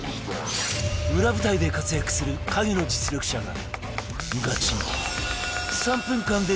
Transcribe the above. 裏舞台で活躍する影の実力者が